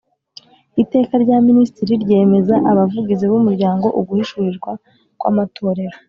Iteka rya minisitiri ryemeza abavugizi b umuryango uguhishurirwa kw amatorero